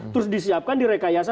terus disiapkan di rekayasa